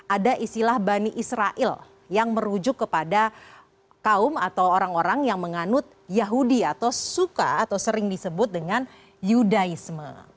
ada istilah bani israel yang merujuk kepada kaum atau orang orang yang menganut yahudi atau suka atau sering disebut dengan yudaisme